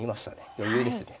余裕ですね。